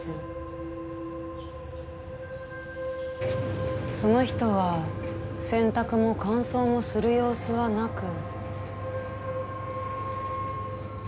確かその人は洗濯も乾燥もする様子はなく。